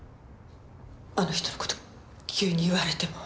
あの人の事急に言われても。